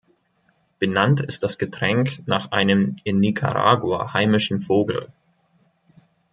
Benannt ist das Getränk nach einem in Nicaragua heimischen Vogel.